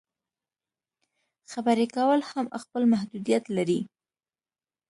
خبرې کول هم خپل محدودیت لري.